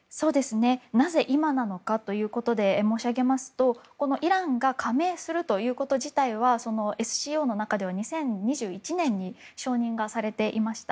なぜ今なのかということで申し上げますとイランが加盟するということ自体はＳＣＯの中では２０２１年に承認されていました。